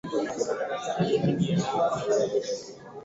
wakifahamishwa juu ya chaguzi hizo na mabalozi hawa wamesema kuwa